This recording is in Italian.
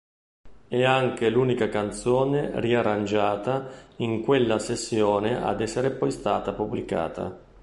È anche l'unica canzone ri-arrangiata in quella sessione ad essere poi stata pubblicata.